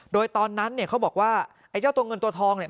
โดยตอนนั้นเนี่ยเขาบอกว่าไอ้เจ้าตัวเงินตัวทองเนี่ย